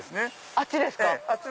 あっちですか。